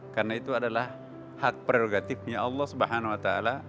karena itu adalah hak prerogatifnya allah swt